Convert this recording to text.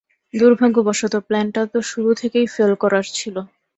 দুর্ভাগ্যবশত, প্ল্যানটা তো শুরু থেকেই ফেল করার ছিল।